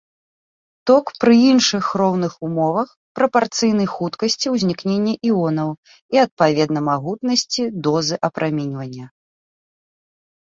Ток пры іншых роўных умовах прапарцыйны хуткасці ўзнікнення іонаў і, адпаведна, магутнасці дозы апраменьвання.